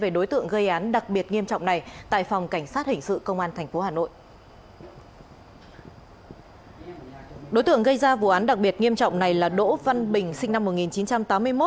đối tượng gây án vụ án đặc biệt nghiêm trọng này là đỗ văn bình sinh năm một nghìn chín trăm tám mươi một